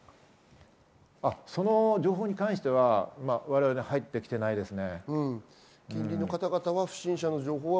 その情報に関しては我々には入ってきていないですね。